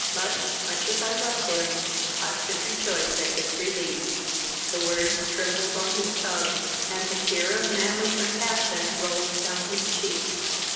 Much, much as I love him, I should rejoice at his release." The words trembled on his tongue, and the tear of manly compassion rolled down his cheek.